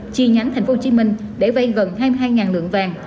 chi nhánh tp hcm để vay gần hai mươi hai lượng vàng